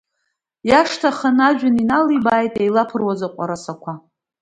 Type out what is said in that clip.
Иашҭа аханы ажәҩан иналибааит еилаԥыруаз аҟәарасақәа.